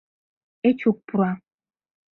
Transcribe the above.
Эчук пура.